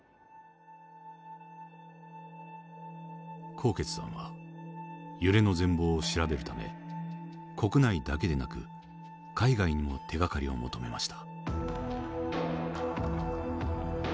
纐纈さんは揺れの全貌を調べるため国内だけでなく海外にも手がかりを求めました。